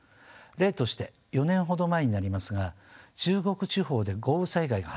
例として４年ほど前になりますが中国地方で豪雨災害が発生しておりました。